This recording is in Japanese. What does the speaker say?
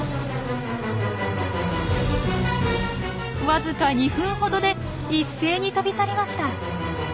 わずか２分ほどで一斉に飛び去りました。